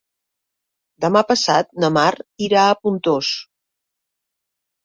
Demà passat na Mar irà a Pontós.